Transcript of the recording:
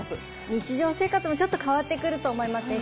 日常生活もちょっと変わってくると思いますね。